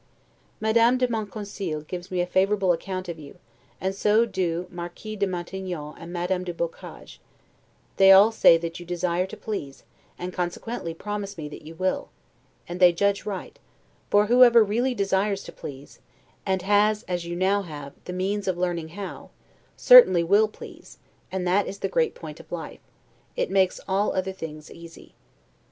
Madame de Monconseil gives me a favorable account of you; and so do Marquis de Matignon and Madame du Boccage; they all say that you desire to please, and consequently promise me that you will; and they judge right; for whoever really desires to please, and has (as you now have) the means of learning how, certainly will please and that is the great point of life; it makes all other things easy.